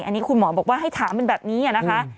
อันนี้คุณหมอบอกว่าให้ถามเป็นแบบนี้นะคะ